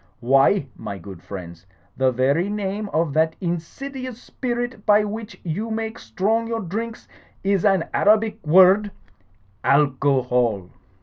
Why, my good friends, the very name of that insidious spirit by which you make strong your drinks is an Arabic word: alcohol.